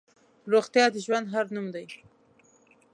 روغتیا د ژوند هر نوم دی.